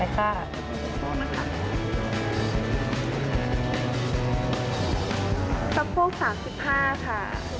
สักโพกสามสิบห้าค่ะ